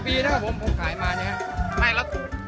รวม๒๐ปีแล้วผมขายมา